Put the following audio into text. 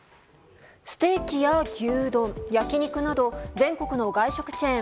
ステーキや牛丼、焼き肉など全国の外食チェーン